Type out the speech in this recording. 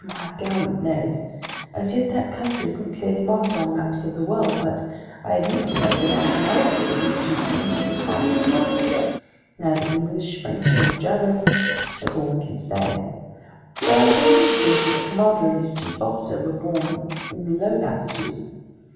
"My gallant Ned, as yet that country isn't clearly marked on maps of the world, but I admit that the nationality of these two strangers is hard to make out! Neither English, French, nor German, that's all we can say. But I'm tempted to think that the commander and his chief officer were born in the low latitudes.